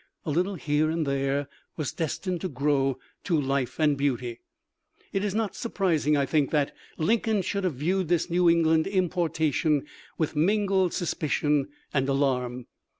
A little here and there was destined to grow to life and beauty. It is not surprising, I think, that Lincoln should have viewed this New England importation with mingled suspicion and alarm.